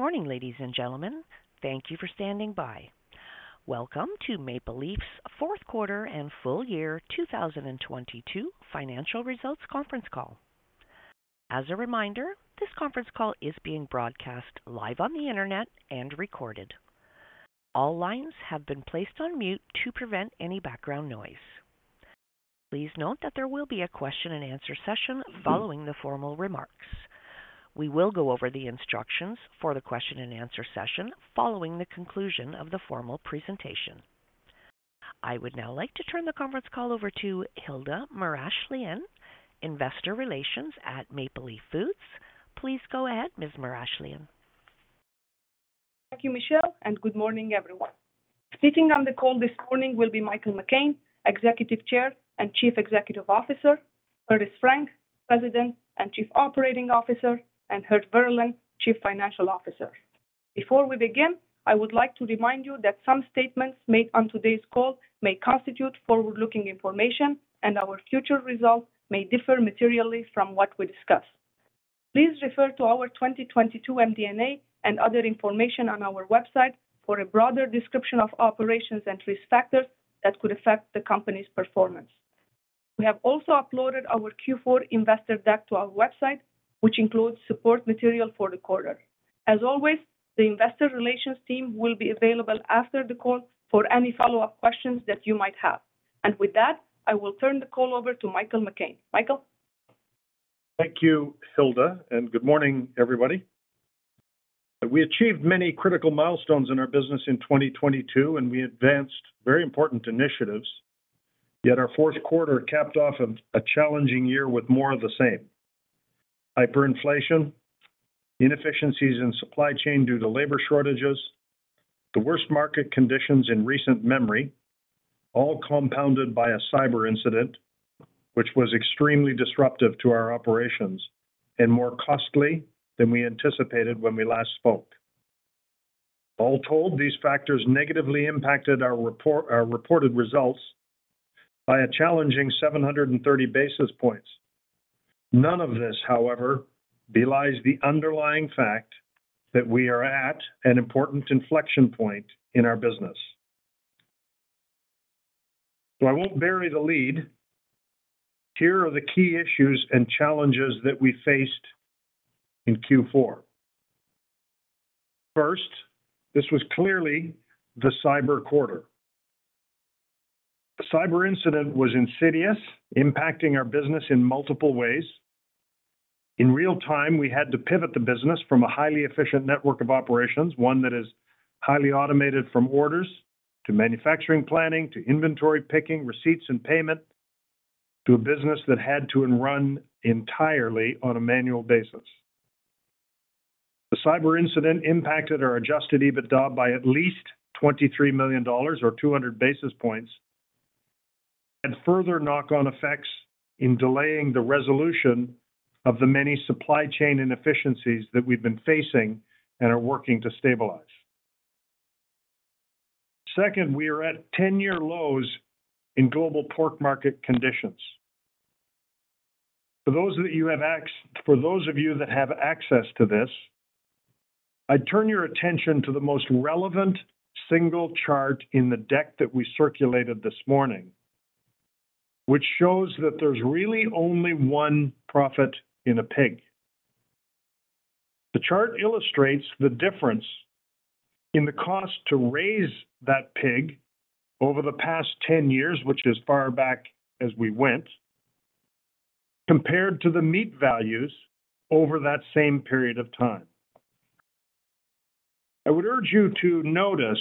Good morning, ladies and gentlemen. Thank you for standing by. Welcome to Maple Leaf's fourth quarter and full year 2022 financial results conference call. As a reminder, this conference call is being broadcast live on the Internet and recorded. All lines have been placed on mute to prevent any background noise. Please note that there will be a question and answer session following the formal remarks. We will go over the instructions for the question and answer session following the conclusion of the formal presentation. I would now like to turn the conference call over to Hilda Maraachlian, Investor Relations at Maple Leaf Foods. Please go ahead, Ms. Maraachlian. Thank you, Michelle, and good morning, everyone. Sitting on the call this morning will be Michael McCain, Executive Chair and Chief Executive Officer, Curtis Frank, President and Chief Operating Officer, and Geert Verellen, Chief Financial Officer. Before we begin, I would like to remind you that some statements made on today's call may constitute forward-looking information and our future results may differ materially from what we discuss. Please refer to our 2022 MD&A and other information on our website for a broader description of operations and risk factors that could affect the company's performance. We have also uploaded our Q4 investor deck to our website, which includes support material for the quarter. As always, the Investor Relations team will be available after the call for any follow-up questions that you might have. With that, I will turn the call over to Michael McCain. Michael. Thank you, Hilda. Good morning, everybody. We achieved many critical milestones in our business in 2022. We advanced very important initiatives, yet our fourth quarter capped off a challenging year with more of the same. Hyperinflation, inefficiencies in supply chain due to labor shortages, the worst market conditions in recent memory, all compounded by a cyber incident which was extremely disruptive to our operations and more costly than we anticipated when we last spoke. All told, these factors negatively impacted our reported results by a challenging 730 basis points. None of this, however, belies the underlying fact that we are at an important inflection point in our business. I won't bury the lead. Here are the key issues and challenges that we faced in Q4. First, this was clearly the cyber quarter. The cyber incident was insidious, impacting our business in multiple ways. In real time, we had to pivot the business from a highly efficient network of operations, one that is highly automated from orders to manufacturing planning to inventory picking, receipts and payment, to a business that had to run entirely on a manual basis. The cyber incident impacted our Adjusted EBITDA by at least 23 million dollars or 200 basis points and further knock-on effects in delaying the resolution of the many supply chain inefficiencies that we've been facing and are working to stabilize. Second, we are at 10-year lows in global pork market conditions. For those of you that have access to this, I turn your attention to the most relevant single chart in the deck that we circulated this morning, which shows that there's really only 1 profit in a pig. The chart illustrates the difference in the cost to raise that pig over the past 10 years, which is far back as we went, compared to the meat values over that same period of time. I would urge you to notice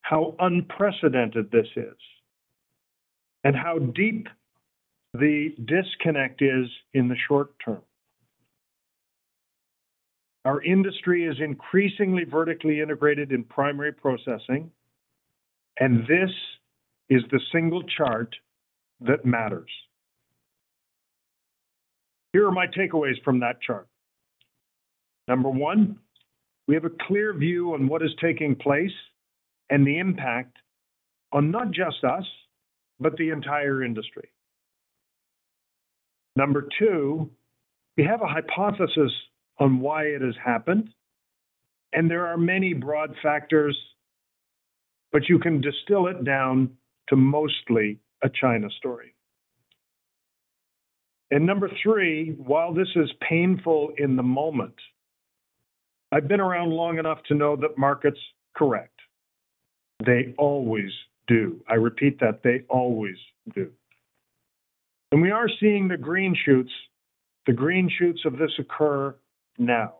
how unprecedented this is and how deep the disconnect is in the short term. Our industry is increasingly vertically integrated in primary processing, and this is the single chart that matters. Here are my takeaways from that chart. Number 1, we have a clear view on what is taking place and the impact on not just us, but the entire industry. Number two, we have a hypothesis on why it has happened, and there are many broad factors, but you can distill it down to mostly a China story. Number three, while this is painful in the moment, I've been around long enough to know that markets correct. They always do. I repeat that, they always do. We are seeing the green shoots, the green shoots of this occur now.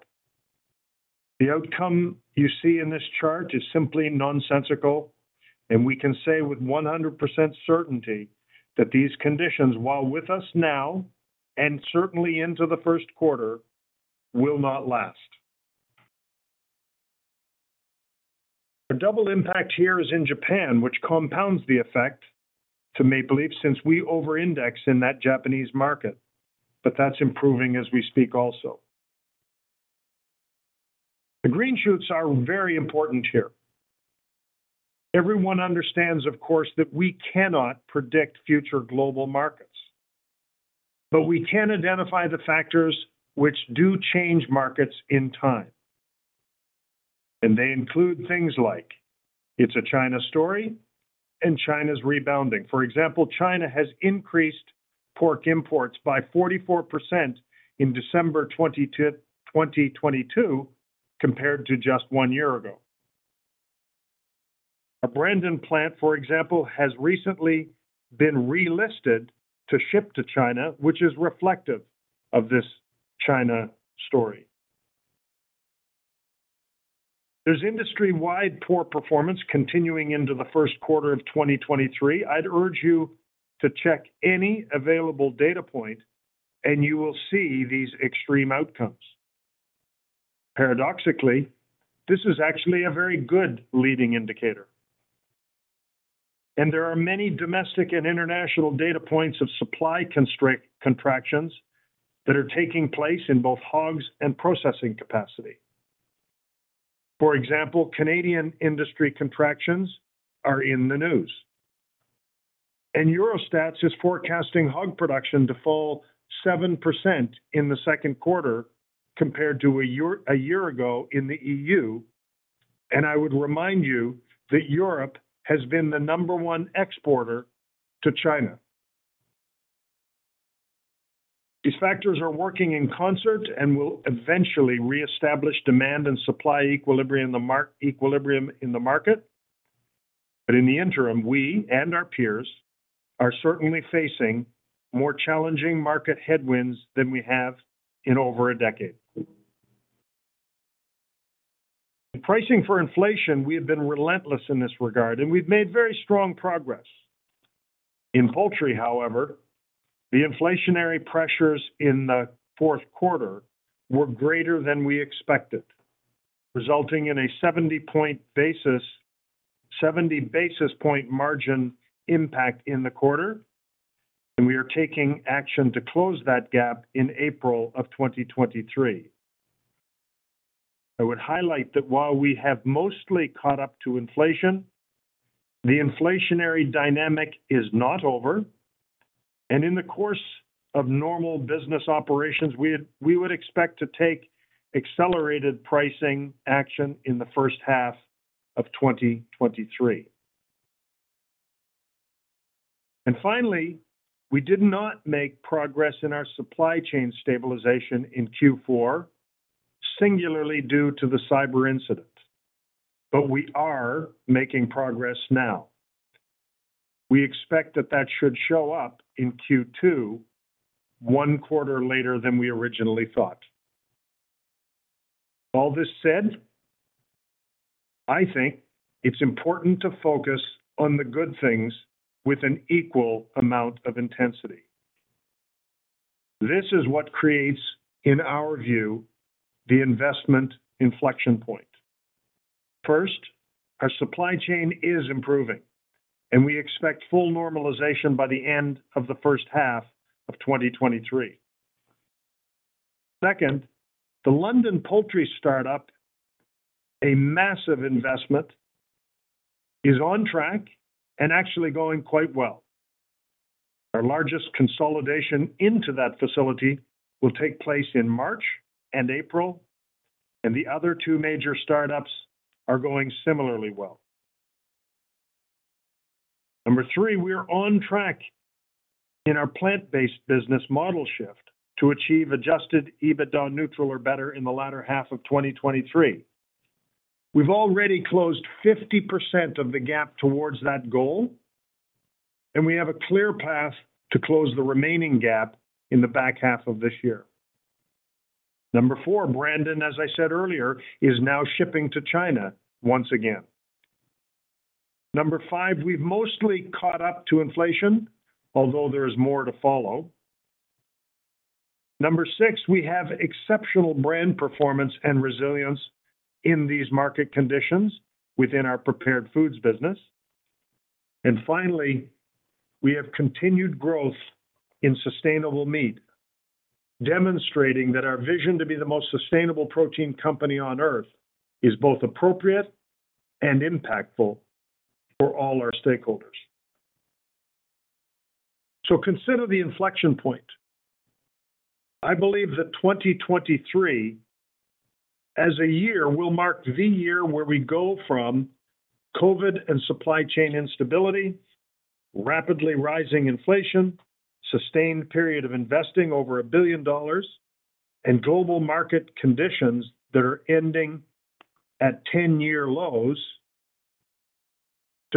The outcome you see in this chart is simply nonsensical, and we can say with 100% certainty that these conditions, while with us now and certainly into the first quarter, will not last. The double impact here is in Japan, which compounds the effect to Maple Leaf since we over-index in that Japanese market, but that's improving as we speak also. The green shoots are very important here. Everyone understands, of course, that we cannot predict future global markets. We can identify the factors which do change markets in time. They include things like, it's a China story and China's rebounding. For example, China has increased pork imports by 44% in December 2022 compared to just 1 year ago. A Brandon plant, for example, has recently been relisted to ship to China, which is reflective of this China story. There's industry-wide poor performance continuing into the first quarter of 2023. I'd urge you to check any available data point, you will see these extreme outcomes. Paradoxically, this is actually a very good leading indicator. There are many domestic and international data points of supply contractions that are taking place in both hogs and processing capacity. For example, Canadian industry contractions are in the news. Eurostat is forecasting hog production to fall 7% in the second quarter compared to a year ago in the EU. I would remind you that Europe has been the number one exporter to China. These factors are working in concert and will eventually reestablish demand and supply equilibrium in the market. In the interim, we and our peers are certainly facing more challenging market headwinds than we have in over a decade. In pricing for inflation, we have been relentless in this regard, and we've made very strong progress. In poultry, however, the inflationary pressures in the fourth quarter were greater than we expected, resulting in a 70 basis point margin impact in the quarter, and we are taking action to close that gap in April of 2023. I would highlight that while we have mostly caught up to inflation, the inflationary dynamic is not over. In the course of normal business operations, we would expect to take accelerated pricing action in the first half of 2023. Finally, we did not make progress in our supply chain stabilization in Q4, singularly due to the cyber incident. We are making progress now. We expect that should show up in Q2, one quarter later than we originally thought. All this said, I think it's important to focus on the good things with an equal amount of intensity. This is what creates, in our view, the investment inflection point. First, our supply chain is improving, and we expect full normalization by the end of the first half of 2023. Second, the London poultry startup, a massive investment, is on track and actually going quite well. Our largest consolidation into that facility will take place in March and April, and the other two major startups are going similarly well. Number three, we are on track in our plant-based business model shift to achieve Adjusted EBITDA neutral or better in the latter half of 2023. We've already closed 50% of the gap towards that goal, and we have a clear path to close the remaining gap in the back half of this year. Number four, Brandon, as I said earlier, is now shipping to China once again. Number five, we've mostly caught up to inflation, although there is more to follow. Number six, we have exceptional brand performance and resilience in these market conditions within our Prepared Foods business. Finally, we have continued growth in Sustainable Meat, demonstrating that our vision to be the most sustainable protein company on Earth is both appropriate and impactful for all our stakeholders. Consider the inflection point. I believe that 2023, as a year, will mark the year where we go from COVID and supply chain instability, rapidly rising inflation, sustained period of investing over $1 billion, and global market conditions that are ending at 10-year lows,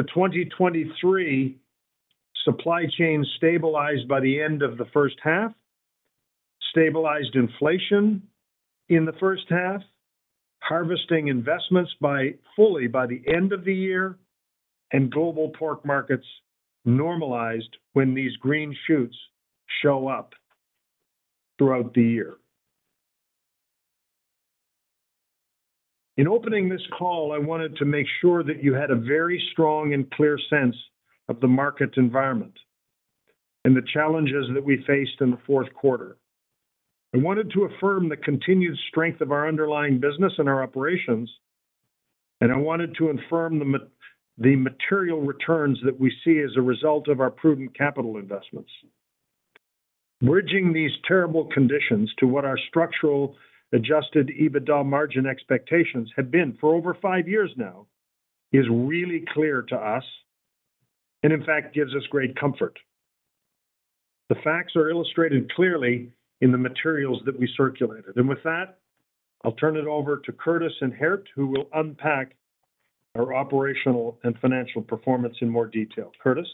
to 2023 supply chain stabilized by the end of the first half, stabilized inflation in the first half, harvesting investments fully by the end of the year, and global pork markets normalized when these green shoots show up throughout the year. In opening this call, I wanted to make sure that you had a very strong and clear sense of the market environment. The challenges that we faced in the fourth quarter. I wanted to affirm the continued strength of our underlying business and our operations. I wanted to affirm the material returns that we see as a result of our prudent capital investments. Bridging these terrible conditions to what our structural Adjusted EBITDA margin expectations have been for over five years now is really clear to us and in fact gives us great comfort. The facts are illustrated clearly in the materials that we circulated. With that, I'll turn it over to Curtis and Geert, who will unpack our operational and financial performance in more detail. Curtis.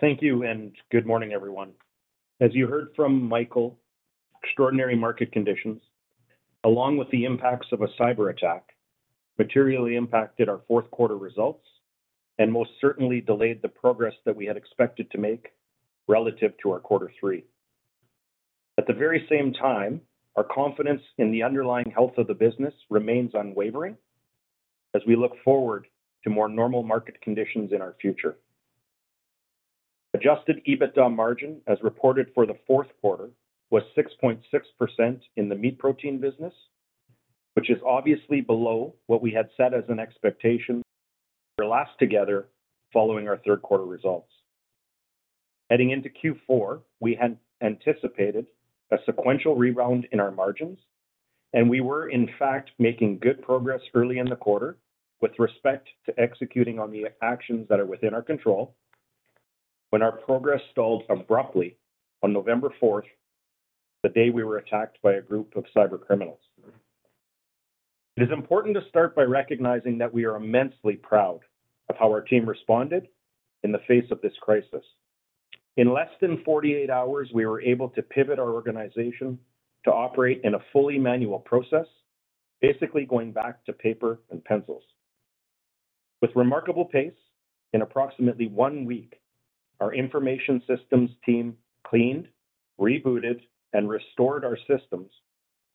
Thank you. Good morning, everyone. As you heard from Michael, extraordinary market conditions, along with the impacts of a cyberattack, materially impacted our fourth quarter results and most certainly delayed the progress that we had expected to make relative to our quarter three. At the very same time, our confidence in the underlying health of the business remains unwavering as we look forward to more normal market conditions in our future. Adjusted EBITDA margin, as reported for the fourth quarter, was 6.6% in the Meat Protein business, which is obviously below what we had set as an expectation last together following our third quarter results. Heading into Q4, we had anticipated a sequential rebound in our margins, and we were in fact making good progress early in the quarter with respect to executing on the actions that are within our control when our progress stalled abruptly on November fourth, the day we were attacked by a group of cybercriminals. It is important to start by recognizing that we are immensely proud of how our team responded in the face of this crisis. In less than 48 hours, we were able to pivot our organization to operate in a fully manual process, basically going back to paper and pencils. With remarkable pace, in approximately one week, our information systems team cleaned, rebooted, and restored our systems,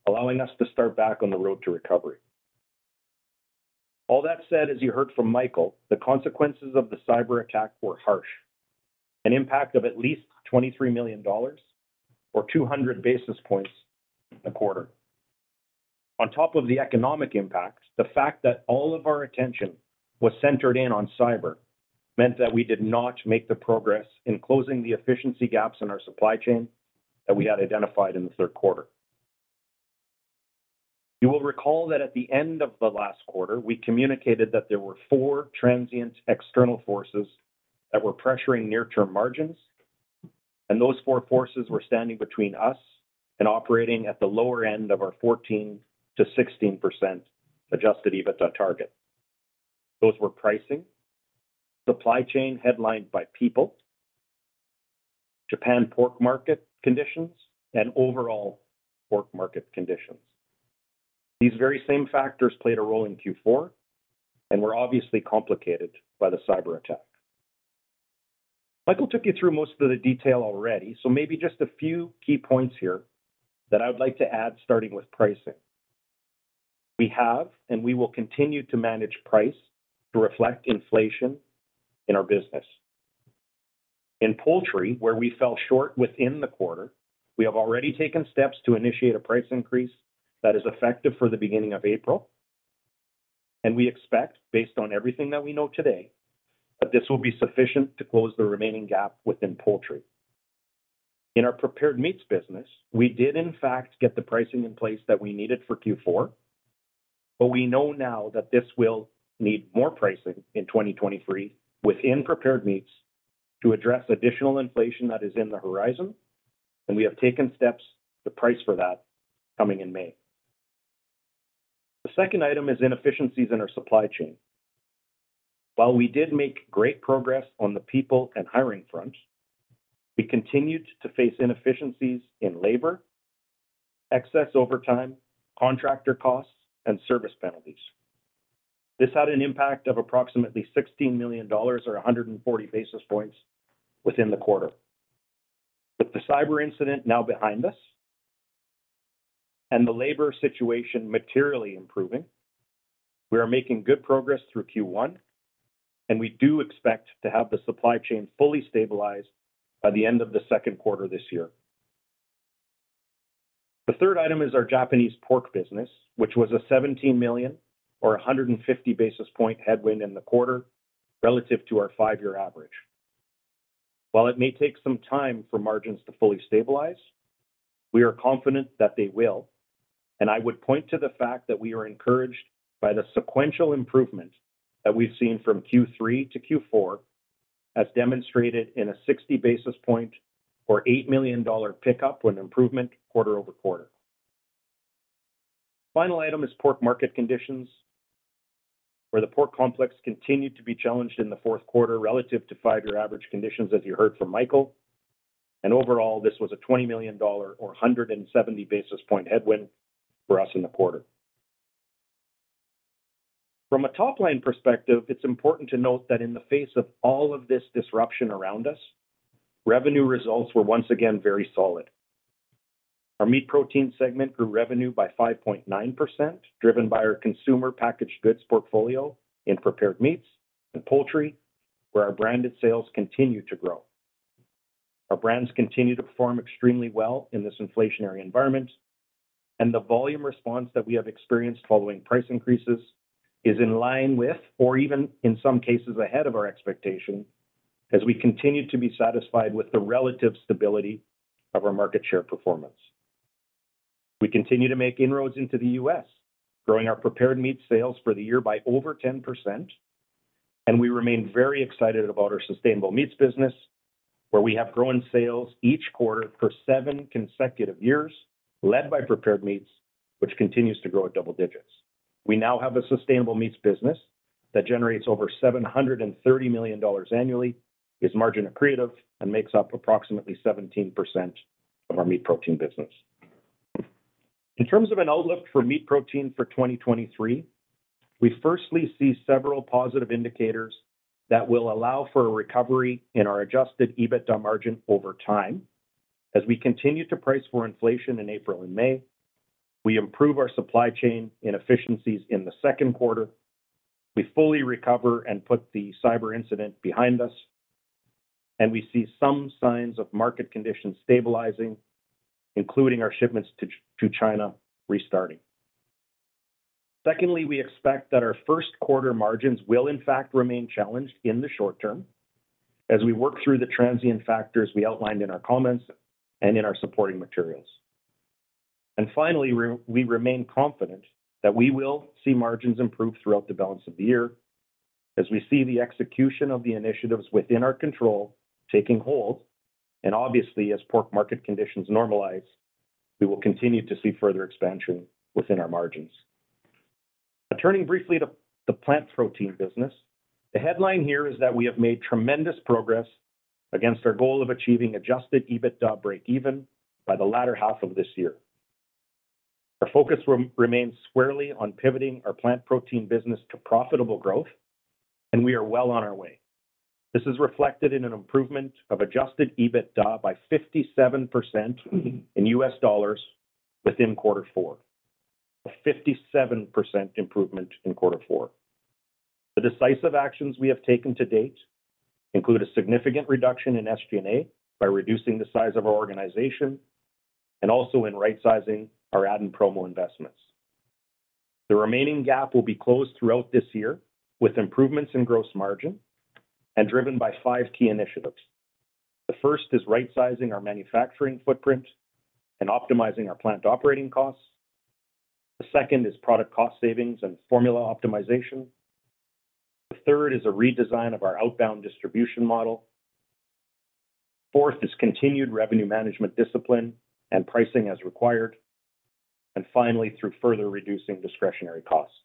allowing us to start back on the road to recovery. All that said, as you heard from Michael, the consequences of the cyberattack were harsh, an impact of at least 23 million dollars or 200 basis points a quarter. On top of the economic impacts, the fact that all of our attention was centered in on cyber meant that we did not make the progress in closing the efficiency gaps in our supply chain that we had identified in the third quarter. You will recall that at the end of the last quarter, we communicated that there were four transient external forces that were pressuring near-term margins, and those four forces were standing between us and operating at the lower end of our 14%-16% Adjusted EBITDA target. Those were pricing, supply chain headlined by people, Japan pork market conditions, and overall pork market conditions. These very same factors played a role in Q4 and were obviously complicated by the cyberattack. Michael took you through most of the detail already, so maybe just a few key points here that I would like to add, starting with pricing. We have and we will continue to manage price to reflect inflation in our business. In Poultry, where we fell short within the quarter, we have already taken steps to initiate a price increase that is effective for the beginning of April. We expect, based on everything that we know today, that this will be sufficient to close the remaining gap within Poultry. In our prepared Meats business, we did in fact get the pricing in place that we needed for Q4, we know now that this will need more pricing in 2023 within prepared meats to address additional inflation that is in the horizon, and we have taken steps to price for that coming in May. The second item is inefficiencies in our supply chain. While we did make great progress on the people and hiring front, we continued to face inefficiencies in labor, excess overtime, contractor costs, and service penalties. This had an impact of approximately 16 million dollars or 140 basis points within the quarter. With the cyber incident now behind us and the labor situation materially improving, we are making good progress through Q1, and we do expect to have the supply chain fully stabilized by the end of the second quarter this year. The third item is our Japanese Pork business, which was a $17 million or 150 basis point headwind in the quarter relative to our five-year average. While it may take some time for margins to fully stabilize, we are confident that they will, and I would point to the fact that we are encouraged by the sequential improvement that we've seen from Q3 to Q4 as demonstrated in a 60 basis point or $8 million pickup with improvement quarter-over-quarter. Final item is pork market conditions, where the pork complex continued to be challenged in the fourth quarter relative to five-year average conditions as you heard from Michael. Overall, this was a $20 million or 170 basis point headwind for us in the quarter. From a top-line perspective, it's important to note that in the face of all of this disruption around us, revenue results were once again very solid. Our Meat Protein segment grew revenue by 5.9%, driven by our consumer packaged goods portfolio in Prepared Meats and Poultry, where our branded sales continue to grow. Our brands continue to perform extremely well in this inflationary environment, and the volume response that we have experienced following price increases is in line with, or even in some cases ahead of our expectation, as we continue to be satisfied with the relative stability of our market share performance. We continue to make inroads into the U.S., growing our prepared Meat sales for the year by over 10%. We remain very excited about our Sustainable Meats business, where we have grown sales each quarter for seven consecutive years, led by prepared meats, which continues to grow at double digits. We now have a Sustainable Meats business that generates over 730 million dollars annually, is margin accretive, and makes up approximately 17% of our Meat Protein business. In terms of an outlook for Meat Protein for 2023, we firstly see several positive indicators that will allow for a recovery in our Adjusted EBITDA margin over time as we continue to price for inflation in April and May, we improve our supply chain inefficiencies in the second quarter, we fully recover and put the cyber incident behind us, and we see some signs of market conditions stabilizing, including our shipments to China restarting. Secondly, we expect that our first quarter margins will in fact remain challenged in the short term as we work through the transient factors we outlined in our comments and in our supporting materials. Finally, we remain confident that we will see margins improve throughout the balance of the year as we see the execution of the initiatives within our control taking hold. Obviously, as pork market conditions normalize, we will continue to see further expansion within our margins. Turning briefly to the Plant Protein business. The headline here is that we have made tremendous progress against our goal of achieving Adjusted EBITDA breakeven by the latter half of this year. Our focus remains squarely on pivoting our Plant Protein business to profitable growth. We are well on our way. This is reflected in an improvement of Adjusted EBITDA by 57% in U.S. dollars within quarter four. A 57% improvement in quarter four. The decisive actions we have taken to date include a significant reduction in SG&A by reducing the size of our organization and also in rightsizing our ad and promo investments. The remaining gap will be closed throughout this year with improvements in gross margin and driven by 5 key initiatives. The first is rightsizing our manufacturing footprint and optimizing our plant operating costs. The second is product cost savings and formula optimization. The third is a redesign of our outbound distribution model. Fourth is continued revenue management discipline and pricing as required. Finally, through further reducing discretionary costs.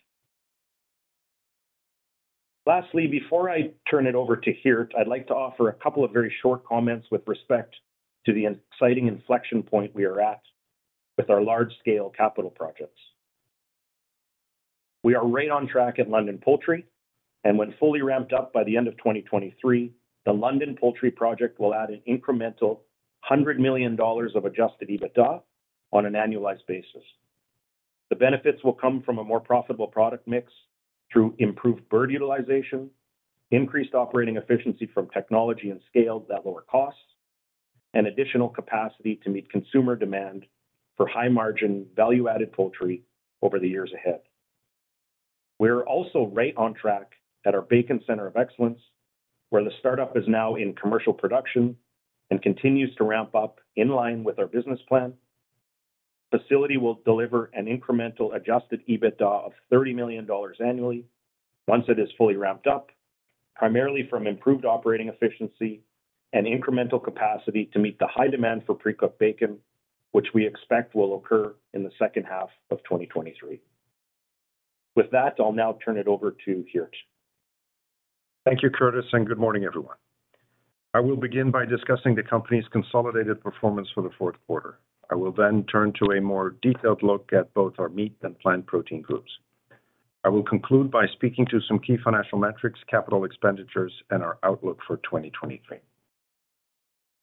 Lastly, before I turn it over to Geert, I'd like to offer a couple of very short comments with respect to the exciting inflection point we are at with our large scale capital projects. We are right on track at London Poultry, and when fully ramped up by the end of 2023, the London Poultry project will add an incremental $100 million of Adjusted EBITDA on an annualized basis. The benefits will come from a more profitable product mix through improved bird utilization, increased operating efficiency from technology and scale that lower costs, and additional capacity to meet consumer demand for high margin, value-added Poultry over the years ahead. We're also right on track at our Bacon Centre of Excellence, where the startup is now in commercial production and continues to ramp up in line with our business plan. Facility will deliver an incremental Adjusted EBITDA of 30 million dollars annually once it is fully ramped up, primarily from improved operating efficiency and incremental capacity to meet the high demand for pre-cooked bacon, which we expect will occur in the second half of 2023. With that, I'll now turn it over to Geert. Thank you, Curtis. Good morning, everyone. I will begin by discussing the company's consolidated performance for the fourth quarter. I will turn to a more detailed look at both our Meat and Plant Protein groups. I will conclude by speaking to some key financial metrics, capital expenditures, and our outlook for 2023.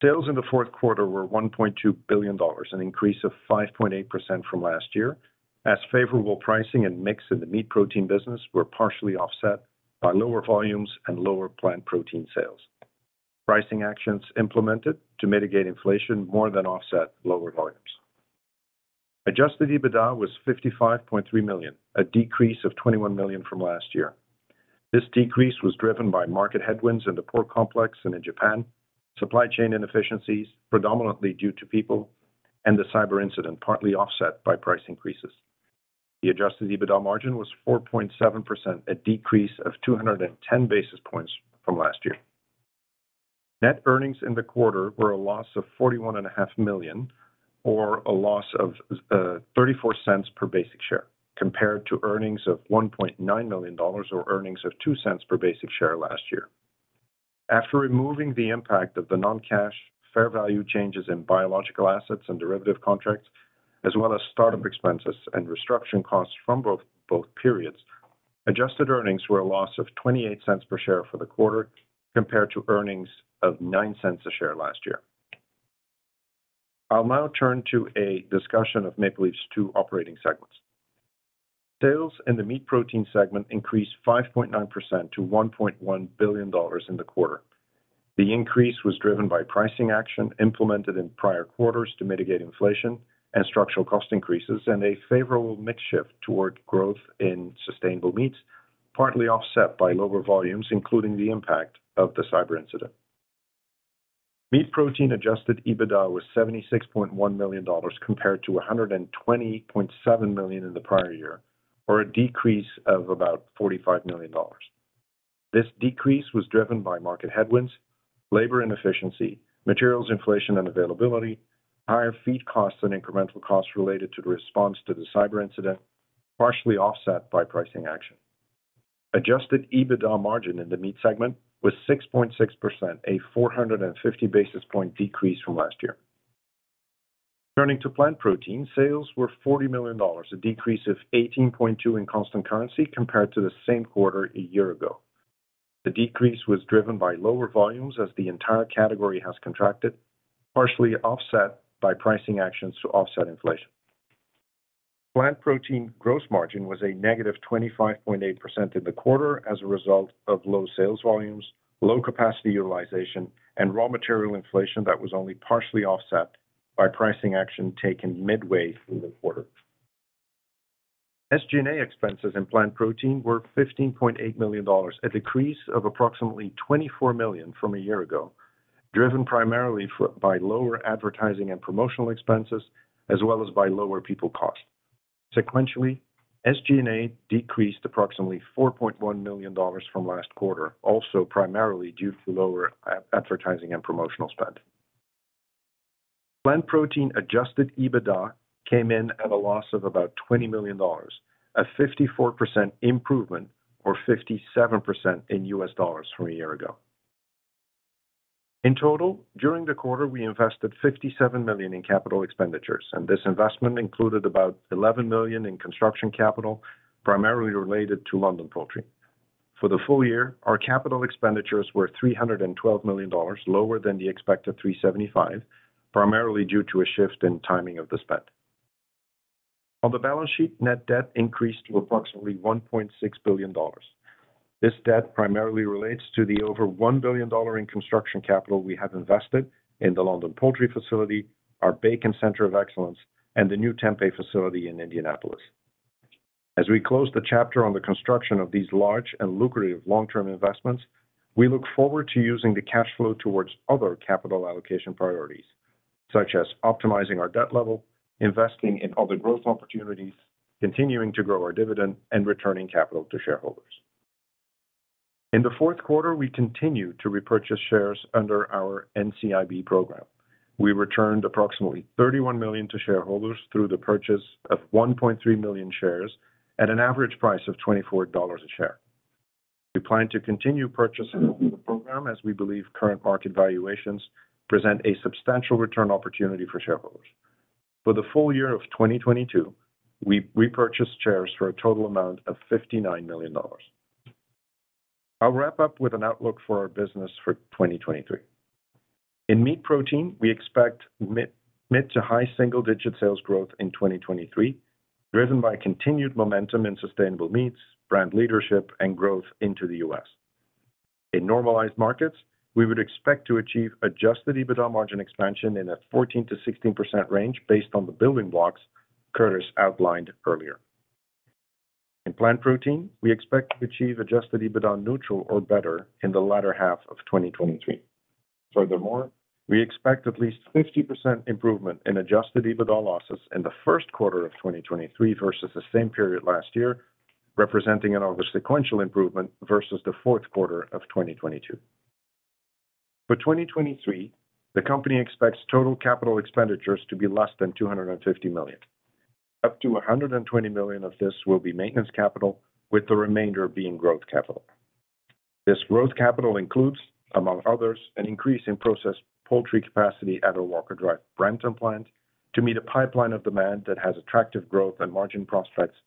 Sales in the fourth quarter were 1.2 billion dollars, an increase of 5.8% from last year, as favorable pricing and mix in the Meat Protein business were partially offset by lower volumes and lower Plant Protein sales. Pricing actions implemented to mitigate inflation more than offset lower volumes. Adjusted EBITDA was 55.3 million, a decrease of 21 million from last year. This decrease was driven by market headwinds in the pork complex and in Japan, supply chain inefficiencies predominantly due to people, and the cyber incident, partly offset by price increases. The Adjusted EBITDA margin was 4.7%, a decrease of 210 basis points from last year. Net earnings in the quarter were a loss of 41.5 million, or a loss of 0.34 per basic share, compared to earnings of 1.9 million dollars or earnings of 0.02 per basic share last year. After removing the impact of the non-cash fair value changes in biological assets and derivative contracts, as well as startup expenses and restructuring costs from both periods, Adjusted earnings were a loss of 0.28 per share for the quarter compared to earnings of 0.09 a share last year. I'll now turn to a discussion of Maple Leaf's 2 operating segments. Sales in the Meat Protein segment increased 5.9% to 1.1 billion dollars in the quarter. The increase was driven by pricing action implemented in prior quarters to mitigate inflation and structural cost increases, and a favorable mix shift toward growth in Sustainable Meats, partly offset by lower volumes, including the impact of the cyber incident. Meat protein Adjusted EBITDA was 76.1 million dollars compared to 120.7 million in the prior year, or a decrease of about 45 million dollars. This decrease was driven by market headwinds, labor inefficiency, materials inflation and availability, higher feed costs and incremental costs related to the response to the cyber incident, partially offset by pricing action. Adjusted EBITDA margin in the Meat segment was 6.6%, a 450 basis point decrease from last year. Turning to Plant Protein, sales were 40 million dollars, a decrease of 18.2% in constant currency compared to the same quarter a year ago. The decrease was driven by lower volumes as the entire category has contracted, partially offset by pricing actions to offset inflation. Plant Protein gross margin was a -25.8% in the quarter as a result of low sales volumes, low capacity utilization, and raw material inflation that was only partially offset by pricing action taken midway through the quarter. SG&A expenses in Plant Protein were 15.8 million dollars, a decrease of approximately 24 million from a year ago, driven primarily by lower advertising and promotional expenses as well as by lower people costs. Sequentially, SG&A decreased approximately 4.1 million dollars from last quarter, also primarily due to lower advertising and promotional spend. Plant Protein Adjusted EBITDA came in at a loss of about $20 million, a 54% improvement or 57% in USD from a year ago. In total, during the quarter, we invested 57 million in capital expenditures. This investment included about 11 million in construction capital, primarily related to London Poultry. For the full year, our capital expenditures were 312 million dollars, lower than the expected 375 million, primarily due to a shift in timing of the spend. On the balance sheet, net debt increased to approximately 1.6 billion dollars. This debt primarily relates to the over 1 billion dollar in construction capital we have invested in the London Poultry facility, our Bacon Center of Excellence, and the new tempeh facility in Indianapolis. As we close the chapter on the construction of these large and lucrative long-term investments, we look forward to using the cash flow towards other capital allocation priorities, such as optimizing our debt level, investing in other growth opportunities, continuing to grow our dividend, and returning capital to shareholders. In the fourth quarter, we continued to repurchase shares under our NCIB program. We returned approximately 31 million to shareholders through the purchase of 1.3 million shares at an average price of 24 dollars a share. We plan to continue purchasing under the program as we believe current market valuations present a substantial return opportunity for shareholders. For the full year of 2022, we repurchased shares for a total amount of 59 million dollars. I'll wrap up with an outlook for our business for 2023. In Meat Protein, we expect mid to high single-digit sales growth in 2023, driven by continued momentum in Sustainable Meats, brand leadership, and growth into the U.S. In normalized markets, we would expect to achieve Adjusted EBITDA margin expansion in a 14%-16% range based on the building blocks Curtis outlined earlier. In Plant Protein, we expect to achieve Adjusted EBITDA neutral or better in the latter half of 2023. We expect at least 50% improvement in Adjusted EBITDA losses in the first quarter of 2023 versus the same period last year, representing another sequential improvement versus the fourth quarter of 2022. For 2023, the company expects total capital expenditures to be less than 250 million. Up to 120 million of this will be maintenance capital, with the remainder being growth capital. This growth capital includes, among others, an increase in processed poultry capacity at our Walker Drive, Brampton plant to meet a pipeline of demand that has attractive growth and margin prospects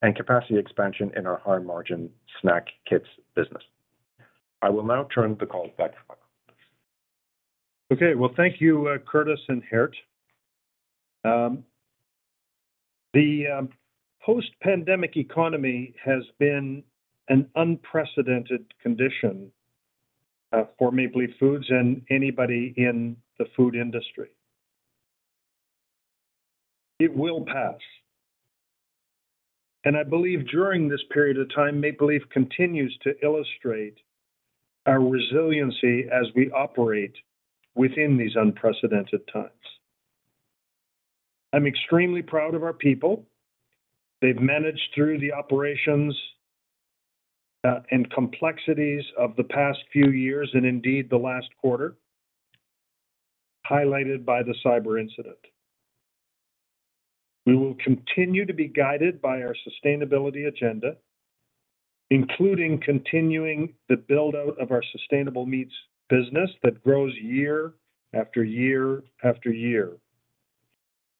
and capacity expansion in our high-margin Snack Kits business. I will now turn the call back to Michael. Okay. Well, thank you, Curtis and Geert. The post-pandemic economy has been an unprecedented condition for Maple Leaf Foods and anybody in the food industry. It will pass. I believe during this period of time, Maple Leaf continues to illustrate our resiliency as we operate within these unprecedented times. I'm extremely proud of our people. They've managed through the operations and complexities of the past few years, and indeed the last quarter, highlighted by the cyber incident. We will continue to be guided by our sustainability agenda, including continuing the build-out of our Sustainable Meats business that grows year after year after year.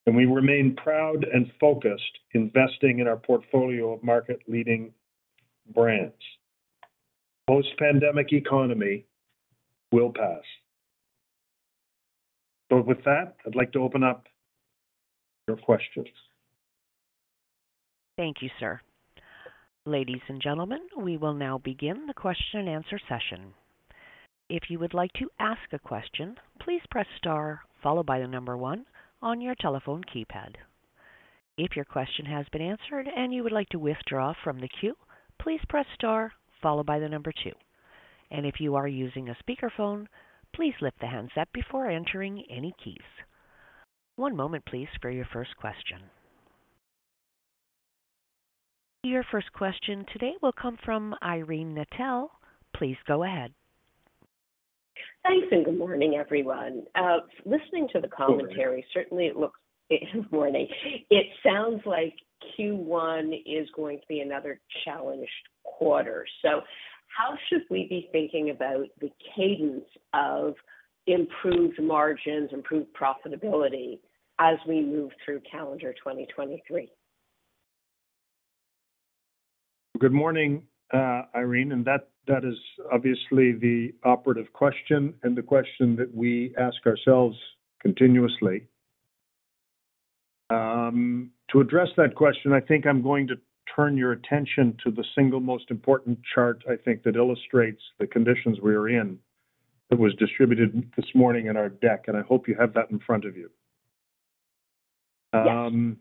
We remain proud and focused investing in our portfolio of market-leading brands. Post-pandemic economy will pass. With that, I'd like to open up for questions. Thank you, sir. Ladies and gentlemen, we will now begin the question-and-answer session. If you would like to ask a question, please press star followed by the number 1 on your telephone keypad. If your question has been answered and you would like to withdraw from the queue, please press star followed by the number 2. If you are using a speakerphone, please lift the handset before entering any keys. One moment, please, for your first question. Your first question today will come from Irene Nattel. Please go ahead. Thanks, and good morning, everyone. listening to the commentary- Good morning. Certainly, Good morning. It sounds like Q1 is going to be another challenged quarter. How should we be thinking about the cadence of improved margins, improved profitability as we move through calendar 2023? Good morning, Irene. That is obviously the operative question and the question that we ask ourselves continuously. To address that question, I think I'm going to turn your attention to the single most important chart, I think that illustrates the conditions we are in. It was distributed this morning in our deck, and I hope you have that in front of you. Yes.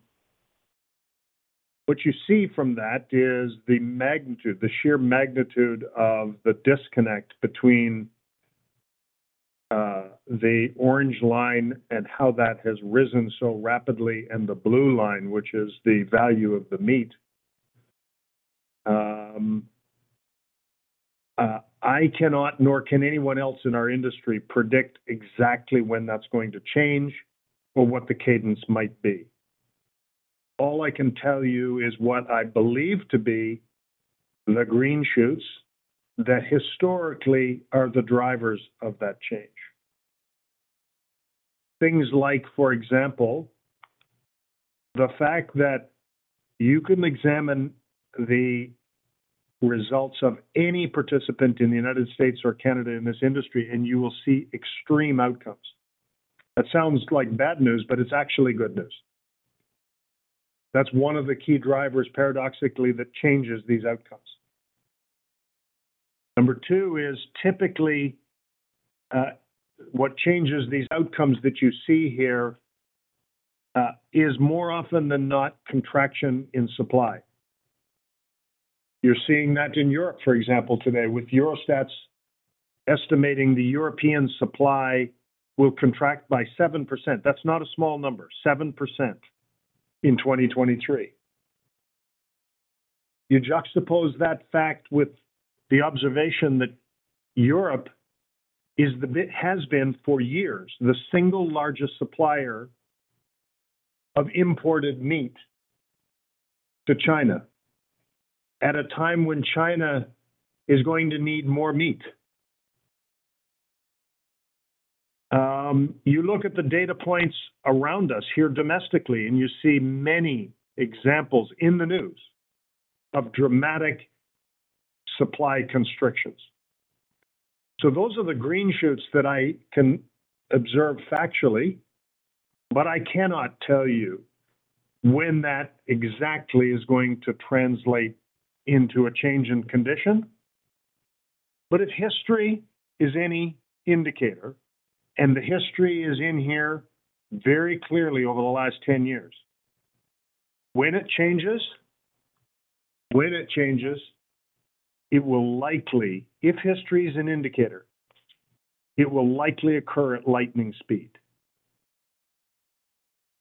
What you see from that is the magnitude, the sheer magnitude of the disconnect between the orange line and how that has risen so rapidly and the blue line, which is the value of the Meat. I cannot, nor can anyone else in our industry predict exactly when that's going to change or what the cadence might be. All I can tell you is what I believe to be the green shoots that historically are the drivers of that change. Things like, for example, the fact that you can examine the results of any participant in the United States or Canada in this industry. You will see extreme outcomes. That sounds like bad news. It's actually good news. That's one of the key drivers, paradoxically, that changes these outcomes. Number two is typically what changes these outcomes that you see here is more often than not contraction in supply. You're seeing that in Europe, for example, today with Eurostat's estimating the European supply will contract by 7%. That's not a small number, 7% in 2023. You juxtapose that fact with the observation that Europe has been for years, the single largest supplier of imported meat to China at a time when China is going to need more meat. You look at the data points around us here domestically, and you see many examples in the news of dramatic supply constrictions. Those are the green shoots that I can observe factually, but I cannot tell you when that exactly is going to translate into a change in condition. If history is any indicator, and the history is in here very clearly over the last 10 years, when it changes, it will likely, if history is an indicator, occur at lightning speed.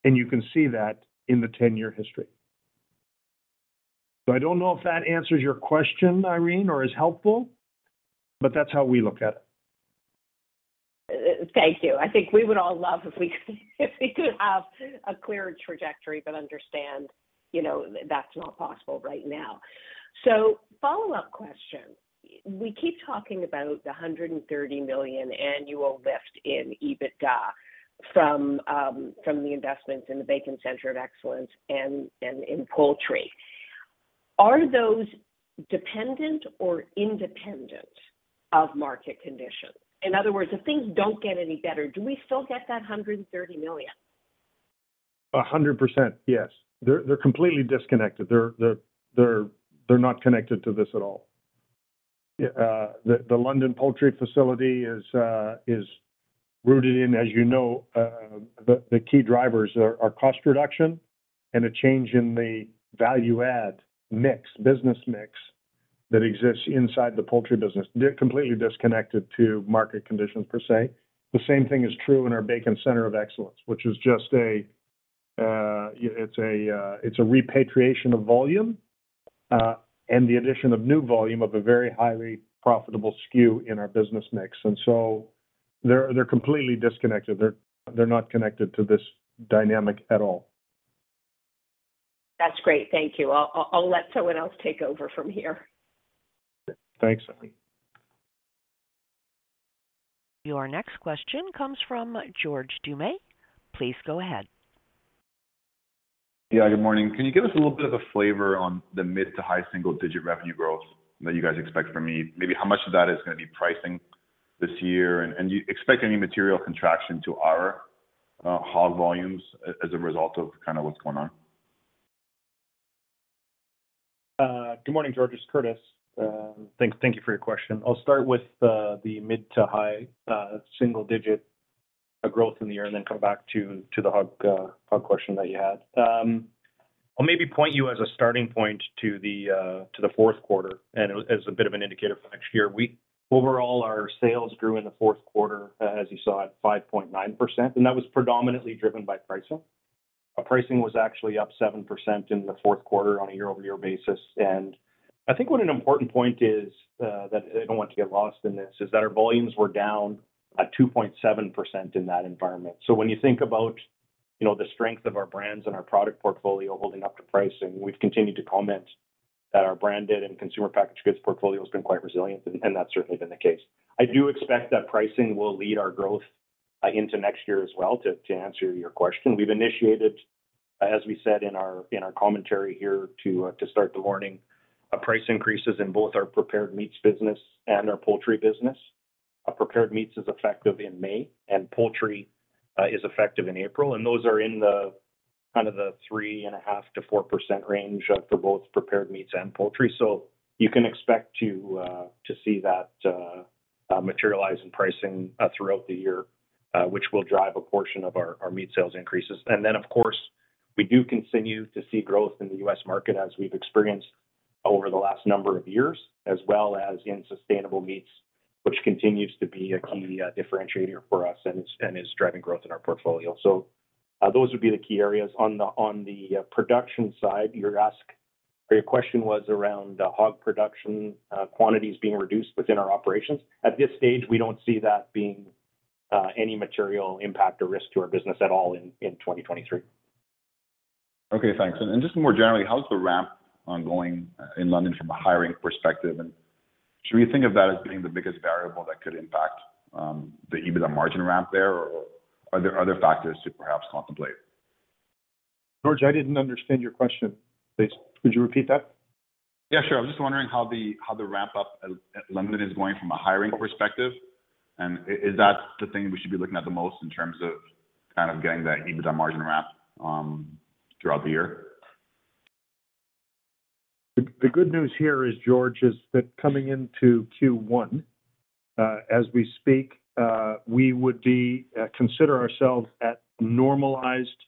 You can see that in the 10-year history. I don't know if that answers your question, Irene, or is helpful, but that's how we look at it. Thank you. I think we would all love if we could have a clearer trajectory, but understand, you know, that's not possible right now. Follow-up question. We keep talking about the 130 million annual lift in EBITDA from the investments in the Bacon Center of Excellence and in Poultry. Are those dependent or independent of market conditions? In other words, if things don't get any better, do we still get that 130 million? 100%, yes. They're completely disconnected. They're not connected to this at all. The London Poultry facility is rooted in, as you know, the key drivers are cost reduction and a change in the value add mix, business mix that exists inside the Poultry business. They're completely disconnected to market conditions per se. The same thing is true in our Bacon Centre of Excellence, which is just a repatriation of volume and the addition of new volume of a very highly profitable SKU in our business mix. They're completely disconnected. They're not connected to this dynamic at all. That's great. Thank you. I'll let someone else take over from here. Thanks, Irene. Your next question comes from George Doumet. Please go ahead. Yeah, good morning. Can you give us a little bit of a flavor on the mid to high single-digit revenue growth that you guys expect from me? Maybe how much of that is going to be pricing this year? Do you expect any material contraction to our hog volumes as a result of kind of what's going on? Good morning, George. It's Curtis. Thank you for your question. I'll start with the mid to high single-digit growth in the year and then come back to the hog question that you had. I'll maybe point you as a starting point to the fourth quarter and as a bit of an indicator for next year. Overall, our sales grew in the fourth quarter, as you saw at 5.9%, and that was predominantly driven by pricing. Pricing was actually up 7% in the fourth quarter on a year-over-year basis. I think what an important point is that I don't want to get lost in this, is that our volumes were down at 2.7% in that environment. When you think about, you know, the strength of our brands and our product portfolio holding up to pricing, we've continued to comment that our branded and consumer packaged goods portfolio has been quite resilient, and that's certainly been the case. I do expect that pricing will lead our growth into next year as well, to answer your question. We've initiated, as we said in our commentary here to start the morning, price increases in both our Prepared Meats business and our Poultry business. Prepared Meats is effective in May and Poultry is effective in April. Those are in the kind of the 3.5%-4% range for both prepared Meats and Poultry. You can expect to see that materialize in pricing throughout the year, which will drive a portion of our Meat sales increases. Of course, we do continue to see growth in the U.S. market as we've experienced over the last number of years, as well as in Sustainable Meats, which continues to be a key differentiator for us and is driving growth in our portfolio. Those would be the key areas. On the production side, your question was around hog production quantities being reduced within our operations. At this stage, we don't see that being any material impact or risk to our business at all in 2023. Okay, thanks. Just more generally, how's the ramp ongoing in London from a hiring perspective? Should we think of that as being the biggest variable that could impact the EBITDA margin ramp there or are there other factors to perhaps contemplate? George, I didn't understand your question. Please, could you repeat that? Yeah, sure. I'm just wondering how the, how the ramp up at London is going from a hiring perspective. Is that the thing we should be looking at the most in terms of kind of getting that EBITDA margin ramp throughout the year? The good news here is, George, is that coming into Q1, as we speak, we would be consider ourselves at normalized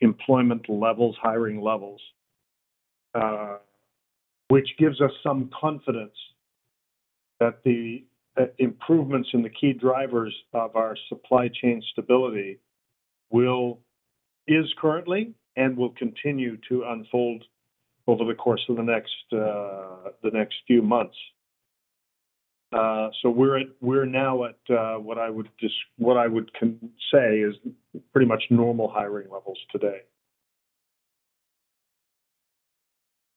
employment levels, hiring levels, which gives us some confidence that the improvements in the key drivers of our supply chain stability is currently and will continue to unfold over the course of the next, the next few months. So we're now at, what I would say is pretty much normal hiring levels today.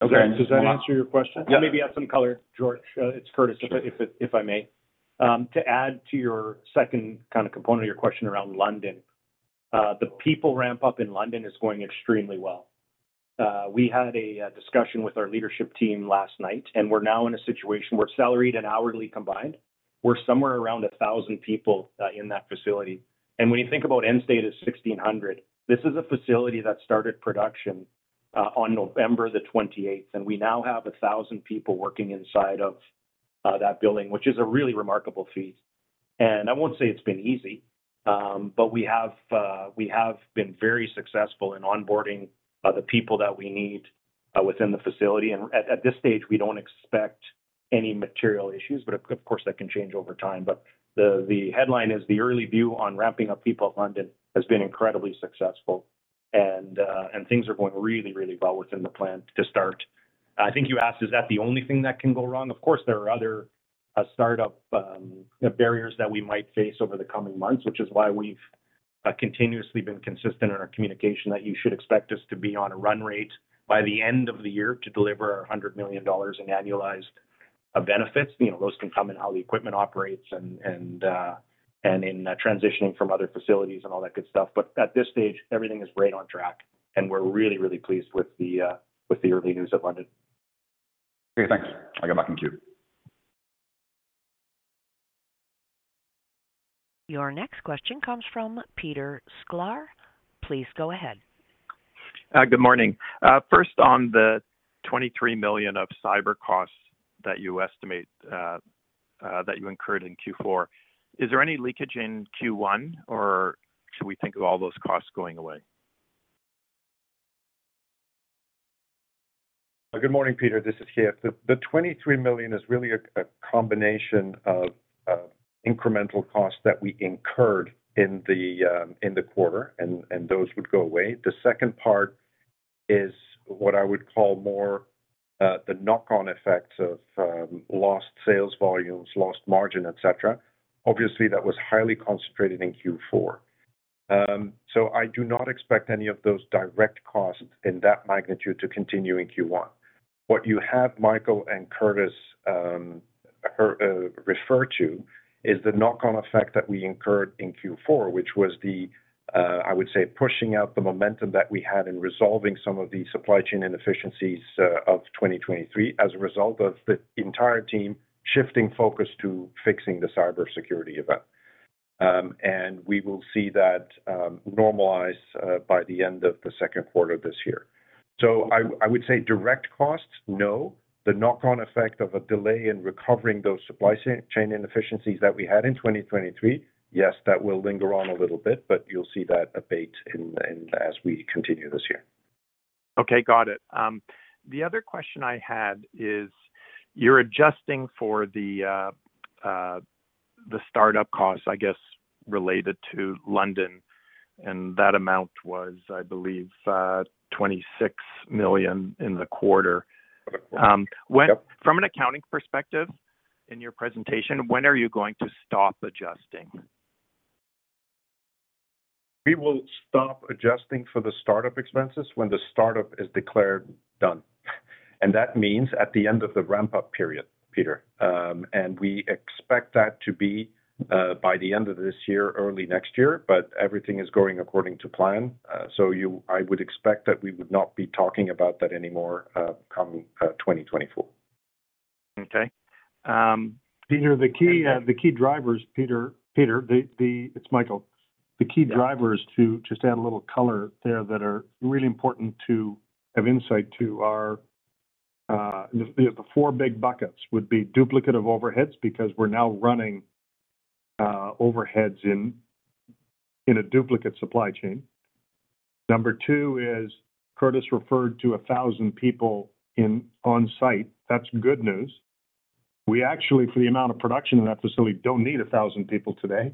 Okay. Does that answer your question? Yeah. I'll maybe add some color, George, it's Curtis, if I may. To add to your second kind of component of your question around London, the people ramp up in London is going extremely well. We had a discussion with our leadership team last night, and we're now in a situation where salaried and hourly combined, we're somewhere around 1,000 people in that facility. When you think about end state is 1,600, this is a facility that started production on November 28th, and we now have 1,000 people working inside of that building, which is a really remarkable feat. I won't say it's been easy, but we have been very successful in onboarding the people that we need within the facility. At this stage, we don't expect any material issues, but of course, that can change over time. The headline is the early view on ramping up people at London has been incredibly successful and things are going really, really well within the plan to start. I think you asked, is that the only thing that can go wrong? Of course, there are other startup barriers that we might face over the coming months, which is why we've continuously been consistent in our communication that you should expect us to be on a run rate by the end of the year to deliver our $100 million in annualized benefits. You know, those can come in how the equipment operates and in transitioning from other facilities and all that good stuff. At this stage, everything is right on track, and we're really, really pleased with the with the early news at London. Okay, thanks. I got back in queue. Your next question comes from Peter Sklar. Please go ahead. Good morning. First on the 23 million of cyber costs that you estimate, that you incurred in Q4, is there any leakage in Q1, or should we think of all those costs going away? Good morning, Peter Sklar. This is C.F. The 23 million is really a combination of incremental costs that we incurred in the quarter, and those would go away. The second part is what I would call more the knock-on effects of lost sales volumes, lost margin, etc. Obviously, that was highly concentrated in Q4. I do not expect any of those direct costs in that magnitude to continue in Q1. What you have, Michael McCain and Curtis Frank, refer to is the knock-on effect that we incurred in Q4, which was the I would say pushing out the momentum that we had in resolving some of the supply chain inefficiencies of 2023 as a result of the entire team shifting focus to fixing the cybersecurity event. We will see that normalize by the end of the second quarter this year. I would say direct costs, no. The knock-on effect of a delay in recovering those supply chain inefficiencies that we had in 2023, yes, that will linger on a little bit, but you'll see that abate as we continue this year. Okay, got it. The other question I had is you're adjusting for the startup costs, I guess, related to London, and that amount was, I believe, $26 million in the quarter. Correct. Yep. From an accounting perspective in your presentation, when are you going to stop adjusting? We will stop adjusting for the startup expenses when the startup is declared done, and that means at the end of the ramp-up period, Peter. We expect that to be, by the end of this year, early next year, but everything is going according to plan. I would expect that we would not be talking about that anymore, come, 2024. Okay. Peter, the key, the key drivers, Peter. Peter, the... It's Michael. Yeah. The key drivers, to just add a little color there that are really important to have insight to are, the 4 big buckets would be duplicative overheads because we're now running overheads in a duplicate supply chain. Number 2 is Curtis referred to 1,000 people on-site. That's good news. We actually, for the amount of production in that facility, don't need 1,000 people today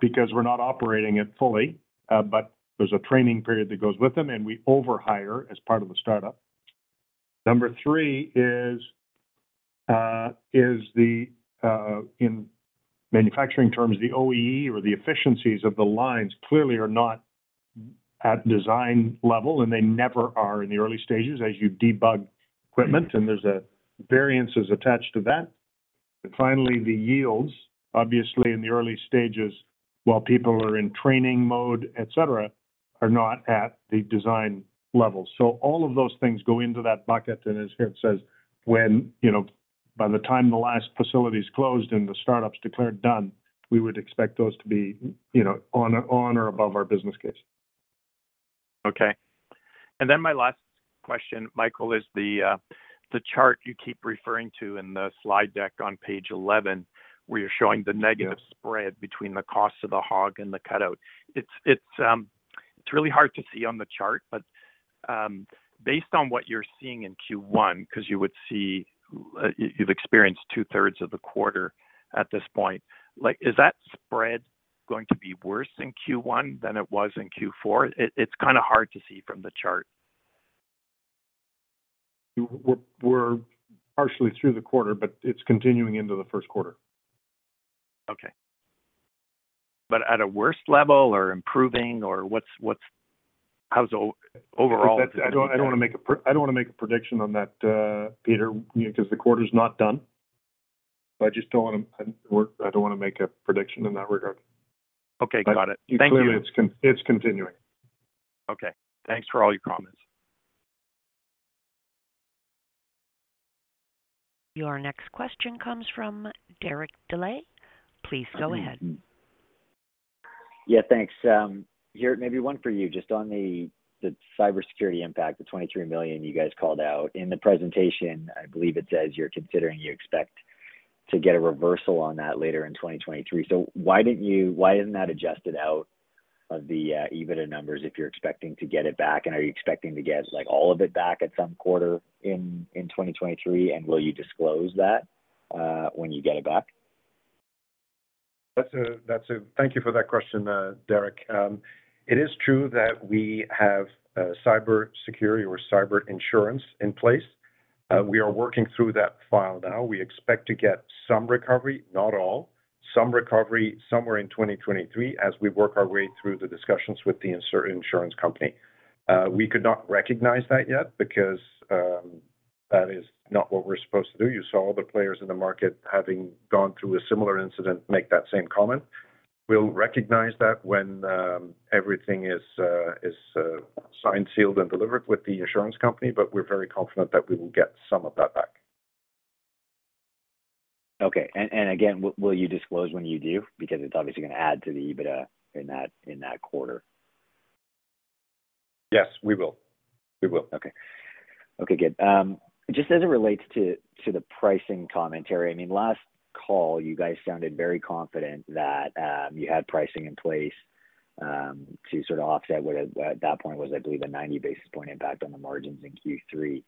because we're not operating it fully. There's a training period that goes with them, and we overhire as part of the startup. Number 3 is the in manufacturing terms, the OEE or the efficiencies of the lines clearly are not at design level, and they never are in the early stages as you debug equipment, and there's a variances attached to that. Finally, the yields, obviously in the early stages, while people are in training mode, et cetera, are not at the design level. All of those things go into that bucket, and as Geert says, when, you know, by the time the last facility's closed and the startup's declared done, we would expect those to be, you know, on or above our business case. Okay. My last question, Michael, is the chart you keep referring to in the slide deck on page 11, where you're showing the negative spread between the cost of the hog and the cutout. It's really hard to see on the chart, but based on what you're seeing in Q1, 'cause you would see, you've experienced two-thirds of the quarter at this point. Like, is that spread going to be worse in Q1 than it was in Q4? It's kinda hard to see from the chart. We're partially through the quarter, but it's continuing into the first quarter. Okay. at a worse level or improving or what's overall? I don't wanna make a prediction on that, Peter, you know, 'cause the quarter's not done. I just don't wanna make a prediction in that regard. Okay, got it. Thank you. Clearly, it's continuing. Okay. Thanks for all your comments. Your next question comes from Derek Dley. Please go ahead. Okay. Yeah, thanks. Geert, maybe one for you, just on the cybersecurity impact, the 23 million you guys called out. In the presentation, I believe it says you're considering you expect to get a reversal on that later in 2023. Why isn't that adjusted out of the EBITDA numbers if you're expecting to get it back? Are you expecting to get, like, all of it back at some quarter in 2023? Will you disclose that when you get it back? Thank you for that question, Derek. It is true that we have cyber security or cyber insurance in place. We are working through that file now. We expect to get some recovery, not all. Some recovery somewhere in 2023 as we work our way through the discussions with the insurance company. We could not recognize that yet because that is not what we're supposed to do. You saw the players in the market having gone through a similar incident make that same comment. We'll recognize that when everything is signed, sealed, and delivered with the insurance company, but we're very confident that we will get some of that back. Okay. Again, will you disclose when you do? Because it's obviously gonna add to the EBITDA in that quarter. Yes, we will. We will. Okay. Okay, good. Just as it relates to the pricing commentary, I mean, last call, you guys sounded very confident that you had pricing in place to sort of offset what at that point was, I believe, a 90 basis point impact on the margins in Q3.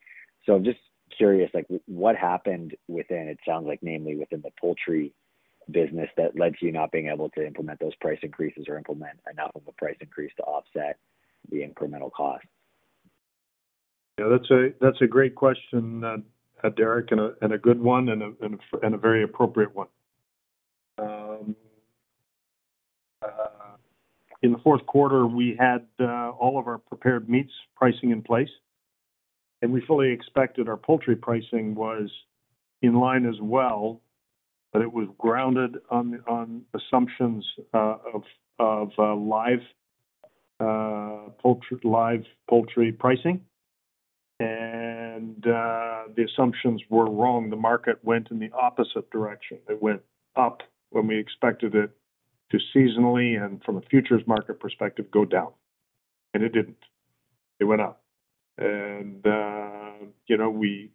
I'm just curious, like what happened within, it sounds like namely within the Poultry business that led to you not being able to implement those price increases or implement enough of a price increase to offset the incremental costs? Yeah, that's a great question, Derek, and a good one, and a very appropriate one. In the fourth quarter, we had all of our Prepared Meats pricing in place. We fully expected our Poultry pricing was in line as well, but it was grounded on assumptions of live Poultry pricing. The assumptions were wrong. The market went in the opposite direction. It went up when we expected it to seasonally and from a future's market perspective, go down. It didn't. It went up. You know, we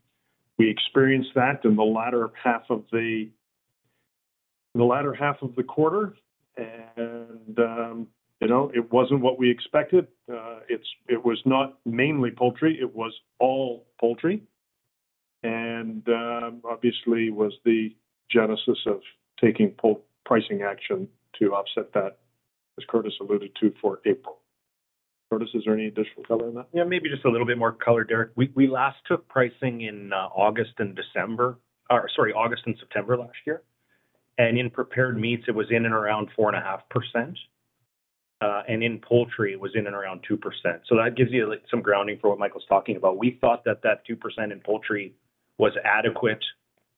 experienced that in the latter half of the quarter. You know, it wasn't what we expected. It was not mainly Poultry, it was all Poultry, and obviously was the genesis of taking pricing action to offset that, as Curtis alluded to, for April. Curtis, is there any additional color on that? Yeah, maybe just a little bit more color, Derek. We last took pricing in August and December, or sorry, August and September last year. In Prepared Meats, it was in and around 4.5%, and in Poultry, it was in and around 2%. That gives you, like, some grounding for what Michael's talking about. We thought that 2% in Poultry was adequate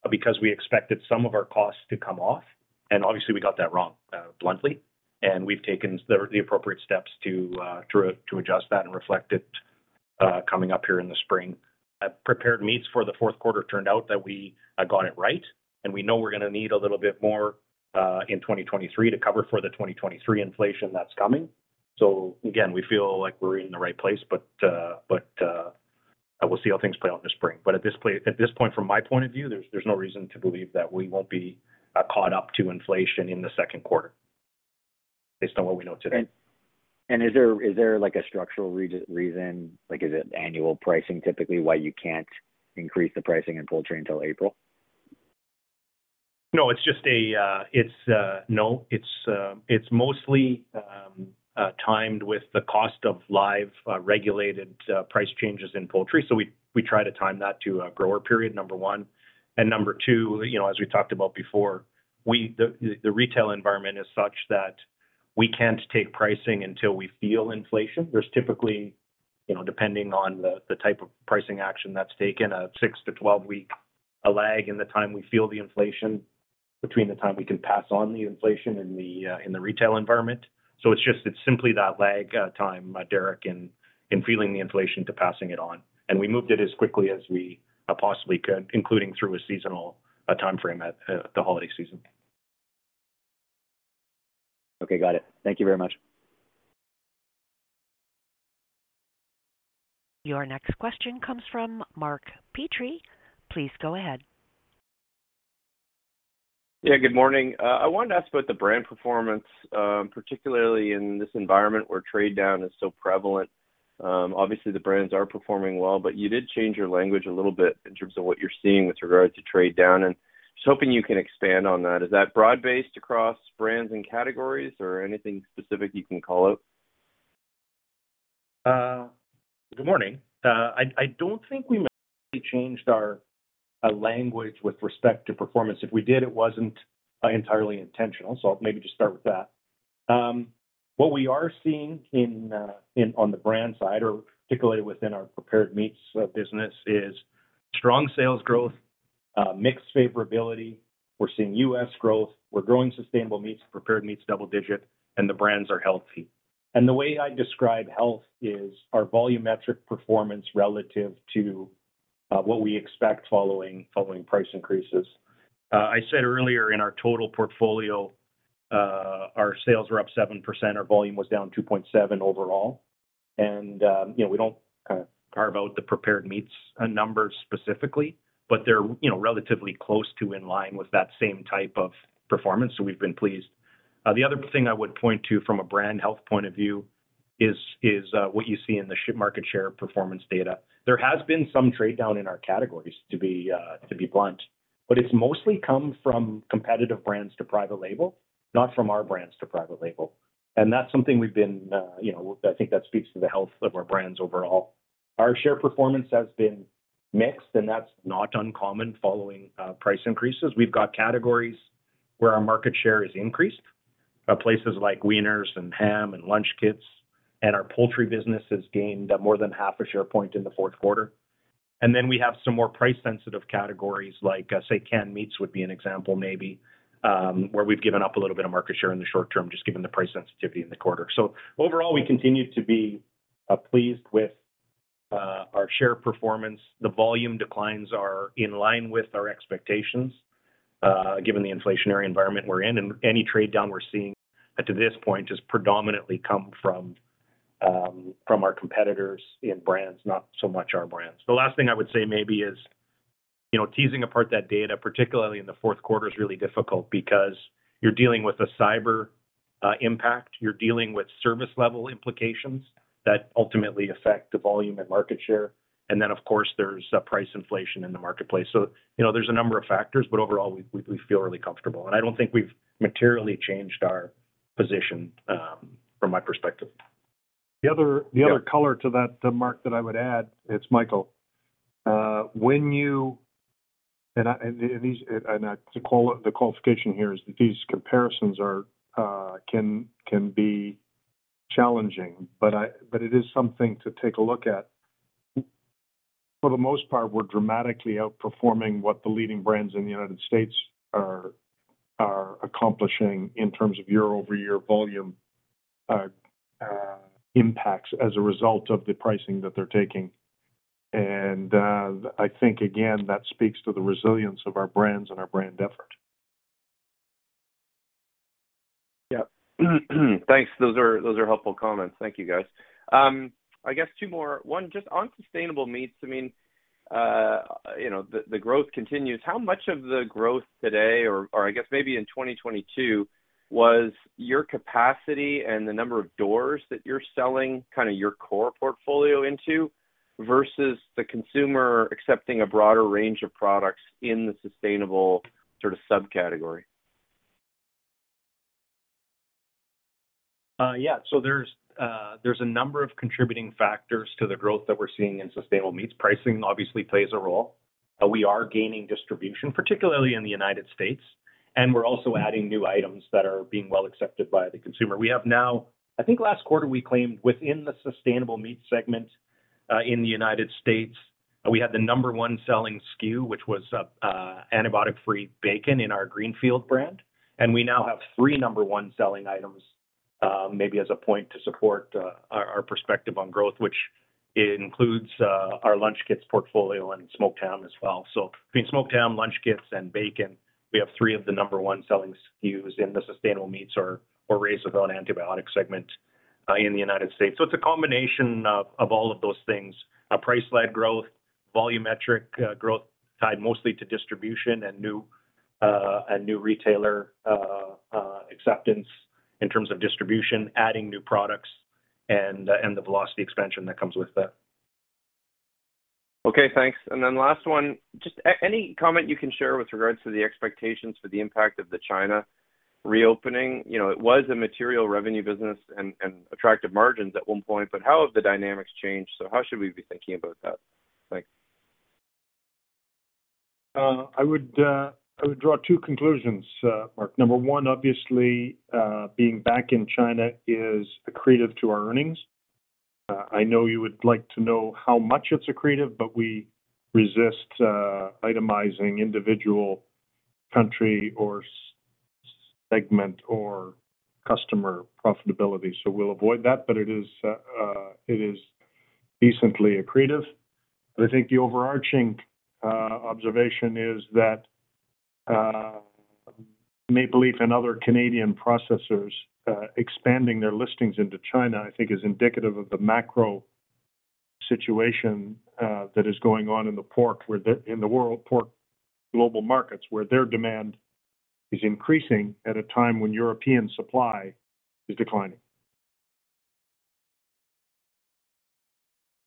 because we expected some of our costs to come off, and obviously, we got that wrong, bluntly. We've taken the appropriate steps to adjust that and reflect it coming up here in the spring. Prepared Meats for the 4th quarter turned out that we had got it right. We know we're gonna need a little bit more, in 2023 to cover for the 2023 inflation that's coming. Again, we feel like we're in the right place, but, we'll see how things play out in the spring. At this point, from my point of view, there's no reason to believe that we won't be, caught up to inflation in the 2nd quarter based on what we know today. Is there, like, a structural reason? Like, is it annual pricing typically why you can't increase the pricing in Poultry until April? No. It's mostly timed with the cost of live, regulated, price changes in Poultry. We try to time that to a grower period, number one. Number two, you know, as we talked about before, the retail environment is such that we can't take pricing until we feel inflation. There's typically, you know, depending on the type of pricing action that's taken, a 6-12 week lag in the time we feel the inflation between the time we can pass on the inflation in the retail environment. It's just, it's simply that lag time, Derek, in feeling the inflation to passing it on. We moved it as quickly as we possibly could, including through a seasonal timeframe at the holiday season. Okay, got it. Thank you very much. Your next question comes from Mark Petrie. Please go ahead. Good morning. I wanted to ask about the brand performance, particularly in this environment where trade down is so prevalent. Obviously, the brands are performing well, but you did change your language a little bit in terms of what you're seeing with regard to trade down, and just hoping you can expand on that. Is that broad-based across brands and categories or anything specific you can call out? Good morning. I don't think we materially changed our language with respect to performance. If we did, it wasn't entirely intentional. I'll maybe just start with that. What we are seeing on the brand side, or particularly within our Prepared Meats business, is strong sales growth, mixed favorability. We're seeing U.S. growth. We're growing Sustainable Meats, Prepared Meats double-digit, and the brands are healthy. The way I describe health is our volumetric performance relative to what we expect following price increases. I said earlier in our total portfolio, our sales were up 7%, our volume was down 2.7% overall. You know, we don't kind of carve out the Prepared Meats numbers specifically, but they're, you know, relatively close to in line with that same type of performance. We've been pleased. The other thing I would point to from a brand health point of view is what you see in the market share performance data. There has been some trade down in our categories, to be blunt, but it's mostly come from competitive brands to private label, not from our brands to private label. That's something we've been, you know, I think that speaks to the health of our brands overall. Our share performance has been mixed, and that's not uncommon following price increases. We've got categories where our market share has increased, places like wieners and ham and lunch kits, and our Poultry business has gained more than half a share point in the fourth quarter. We have some more price-sensitive categories like say, canned meats would be an example maybe, where we've given up a little bit of market share in the short term, just given the price sensitivity in the quarter. Overall, we continue to be pleased with our share performance. The volume declines are in line with our expectations, given the inflationary environment we're in. Any trade down we're seeing to this point, just predominantly come from from our competitors in brands, not so much our brands. The last thing I would say maybe is, you know, teasing apart that data, particularly in the fourth quarter, is really difficult because you're dealing with a cyber impact, you're dealing with service level implications that ultimately affect the volume and market share. Of course, there's price inflation in the marketplace. You know, there's a number of factors, but overall, we feel really comfortable. I don't think we've materially changed our position From my perspective. The other color to that, Mark, that I would add, it's Michael. The qualification here is that these comparisons are can be challenging, but it is something to take a look at. For the most part, we're dramatically outperforming what the leading brands in the United States are accomplishing in terms of year-over-year volume impacts as a result of the pricing that they're taking. I think again, that speaks to the resilience of our brands and our brand effort. Yeah. Thanks. Those are helpful comments. Thank you, guys. I guess two more. One, just on Sustainable Meats, I mean, you know, the growth continues. How much of the growth today or I guess maybe in 2022 was your capacity and the number of doors that you're selling kinda your core portfolio into, versus the consumer accepting a broader range of products in the sustainable sort of subcategory? Yeah. There's a number of contributing factors to the growth that we're seeing in Sustainable Meats. Pricing obviously plays a role. We are gaining distribution, particularly in the United States, and we're also adding new items that are being well accepted by the consumer. We have now. I think last quarter we claimed within the Sustainable Meats segment in the United States, we had the number one selling SKU, which was antibiotic-free bacon in our Greenfield brand. We now have 3 number one selling items, maybe as a point to support our perspective on growth, which includes our lunch kits portfolio and smoked ham as well. Between smoked ham, lunch kits and bacon, we have 3 of the number one selling SKUs in the Sustainable Meats or Raised Without Antibiotics segment in the United States. It's a combination of all of those things. A price-led growth, volumetric growth tied mostly to distribution and new retailer acceptance in terms of distribution, adding new products and the velocity expansion that comes with that. Okay, thanks. Then last one, just any comment you can share with regards to the expectations for the impact of the China reopening? You know, it was a material revenue business and attractive margins at one point. How have the dynamics changed? How should we be thinking about that? Thanks. I would draw two conclusions, Mark. Number one, obviously, being back in China is accretive to our earnings. I know you would like to know how much it's accretive, but we resist itemizing individual country or segment or customer profitability, so we'll avoid that. It is, it is decently accretive. I think the overarching observation is that Maple Leaf and other Canadian processors expanding their listings into China, I think is indicative of the macro situation that is going on in the pork where the in the world pork global markets, where their demand is increasing at a time when European supply is declining.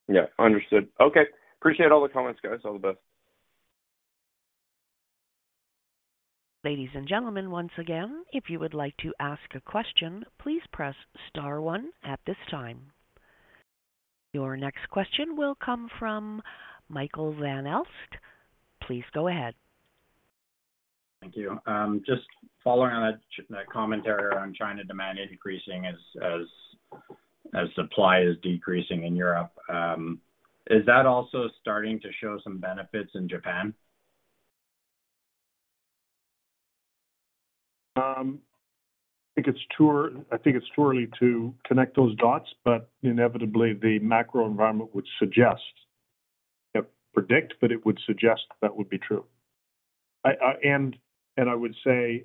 Yeah, understood. Okay. Appreciate all the comments, guys. All the best. Ladies and gentlemen, once again, if you would like to ask a question, please press star one at this time. Your next question will come from Michael Van Aelst. Please go ahead. Thank you. Just following on that commentary on China demand is increasing as supply is decreasing in Europe, is that also starting to show some benefits in Japan? I think it's too early to connect those dots, but inevitably the macro environment would suggest... Yep, predict, but it would suggest that would be true. I would say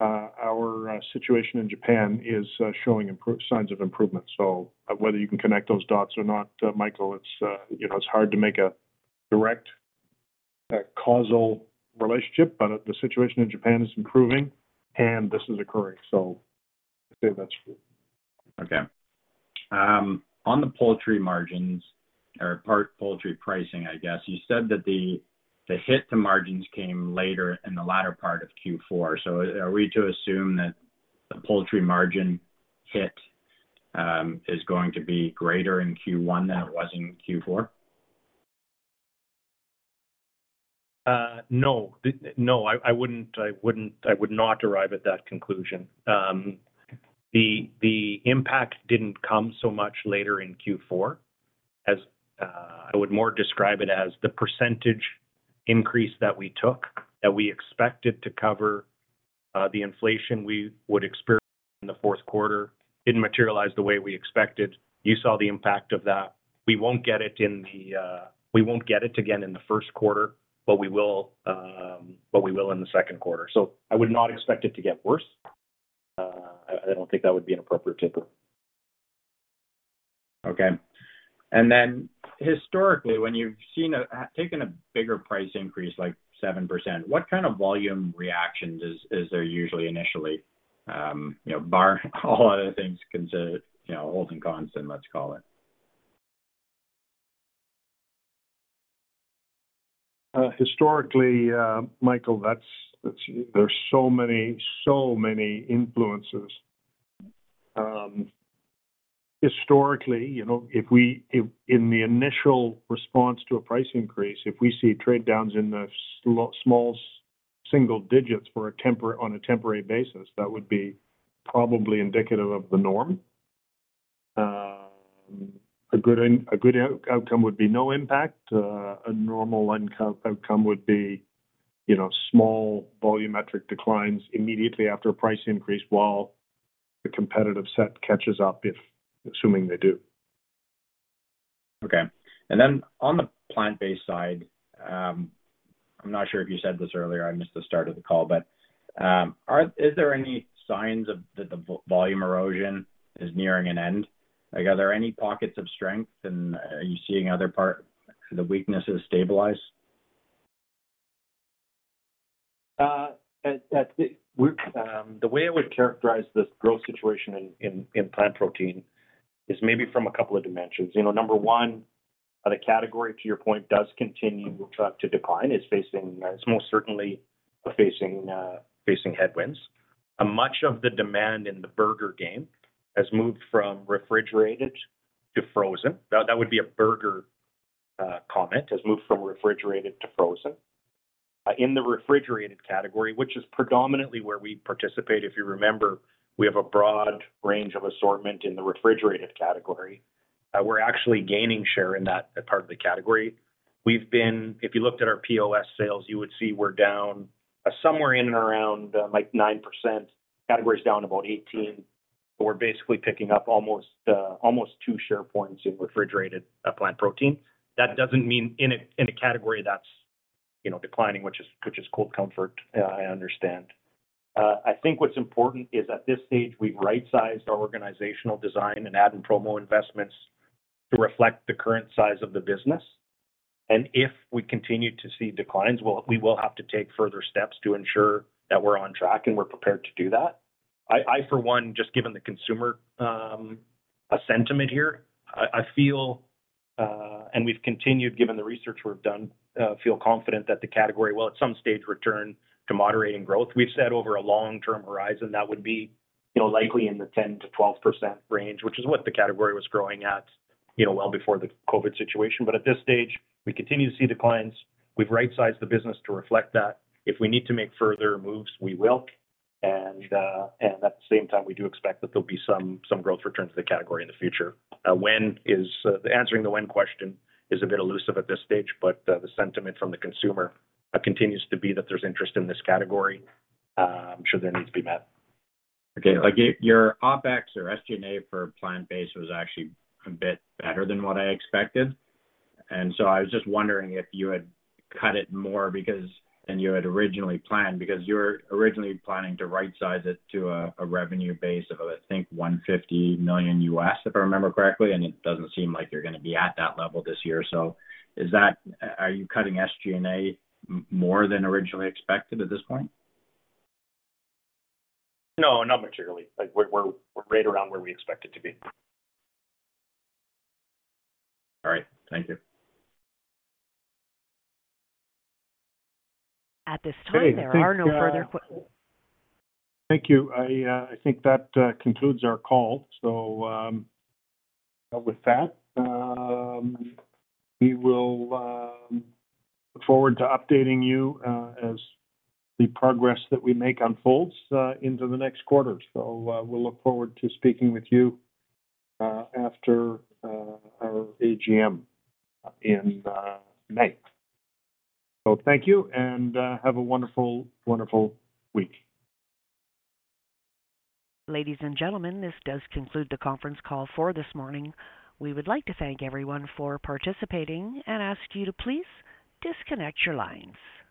our situation in Japan is showing signs of improvement. Whether you can connect those dots or not, Michael, it's, you know, it's hard to make a direct causal relationship, but the situation in Japan is improving and this is occurring. I'd say that's true. On the Poultry margins or part Poultry pricing, you said that the hit to margins came later in the latter part of Q4. Are we to assume that the Poultry margin hit is going to be greater in Q1 than it was in Q4? No, I wouldn't, I would not arrive at that conclusion. The impact didn't come so much later in Q4 as... I would more describe it as the percentage increase that we took, that we expected to cover the inflation we would experience in the fourth quarter didn't materialize the way we expected. You saw the impact of that. We won't get it in the, we won't get it again in the first quarter, but we will, but we will in the second quarter. I would not expect it to get worse. I don't think that would be an appropriate take. Okay. Historically, when you've seen a, taken a bigger price increase, like 7%, what kind of volume reactions is there usually initially, you know, bar all other things considered, you know, holding constant, let's call it? Historically, Michael, there's so many influences. Historically, you know, if in the initial response to a price increase, if we see trade downs in the single digits on a temporary basis, that would be probably indicative of the norm. A good outcome would be no impact. A normal outcome would be, you know, small volumetric declines immediately after a price increase while the competitive set catches up, if assuming they do. Okay. On the plant-based side, I'm not sure if you said this earlier, I missed the start of the call, Is there any signs of that the volume erosion is nearing an end? Like, are there any pockets of strength and are you seeing other the weaknesses stabilize? The way I would characterize this growth situation in Plant Protein is maybe from a couple of dimensions. You know, number one, the category, to your point, does continue to decline. It's most certainly facing headwinds. Much of the demand in the burger game has moved from refrigerated to frozen. That would be a burger comment, has moved from refrigerated to frozen. In the refrigerated category, which is predominantly where we participate, if you remember, we have a broad range of assortment in the refrigerated category. We're actually gaining share in that part of the category. If you looked at our POS sales, you would see we're down somewhere in and around like 9%. Category's down about 18%. We're basically picking up almost two share points in refrigerated Plant Protein. That doesn't mean in a category that's, you know, declining, which is cold comfort, I understand. I think what's important is at this stage, we've right-sized our organizational design and ad and promo investments to reflect the current size of the business. If we continue to see declines, we will have to take further steps to ensure that we're on track, and we're prepared to do that. I for one, just given the consumer sentiment here, I feel, and we've continued given the research we've done, feel confident that the category will at some stage return to moderating growth. We've said over a long-term horizon, that would be, you know, likely in the 10%-12% range, which is what the category was growing at, you know, well before the COVID situation. At this stage, we continue to see declines. We've right-sized the business to reflect that. If we need to make further moves, we will. At the same time, we do expect that there'll be some growth return to the category in the future. When is... Answering the when question is a bit elusive at this stage, but the sentiment from the consumer continues to be that there's interest in this category, I'm sure that needs to be met. Okay. Like, your OpEx or SG&A for plant-based was actually a bit better than what I expected. I was just wondering if you had cut it more than you had originally planned, because you were originally planning to rightsize it to a revenue base of, I think, $150 million, if I remember correctly, and it doesn't seem like you're gonna be at that level this year. Are you cutting SG&A more than originally expected at this point? No, not materially. Like, we're right around where we expect it to be. All right. Thank you. At this time, there are no further. Thank you. I think that concludes our call. With that, we will look forward to updating you as the progress that we make unfolds into the next quarter. We'll look forward to speaking with you after our AGM in May. Thank you, and have a wonderful week. Ladies and gentlemen, this does conclude the conference call for this morning. We would like to thank everyone for participating and ask you to please disconnect your lines.